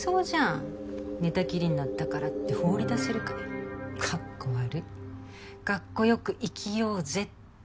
「寝たきりになったからって放り出せるかよカッコ悪い」「カッコよく生きようぜ」って。